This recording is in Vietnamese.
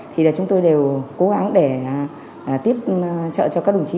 thì là chúng tôi đều cố gắng để tiếp trợ cho các đồng chí